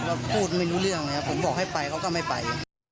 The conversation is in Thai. แล้วพูดไม่รู้เรื่องอย่างนี้ผมบอกให้ไปเขาก็ไม่ไป